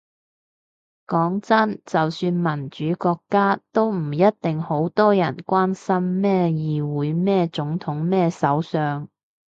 講真，就算民主國家，都唔一定好多人關心咩議會咩總統咩首相